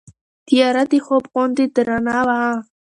تیاره د خوب غوندې درنه وه.